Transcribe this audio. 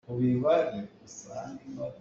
Chizawh pawl nih uico an dawi.